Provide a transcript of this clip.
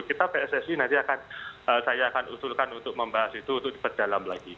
kita pssi nanti akan saya akan usulkan untuk membahas itu untuk diperdalam lagi